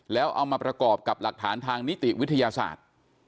แล้วเอามาประกอบกับหลักฐานทางนิติวิทยาศาสตร์